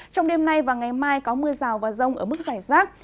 trong đêm nay và ngày mai có mưa rào và rông ở mức giải rác